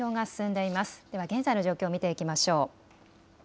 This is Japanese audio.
では現在の状況を見ていきましょう。